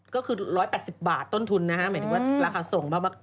ก็คือ๑๘๐บาทต้นทุนนะฮะหมายถึงว่าราคาส่งมาก